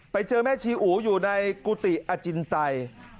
ไปเจอแม่ชีอู๋อยู่ในกุฏิอจินไต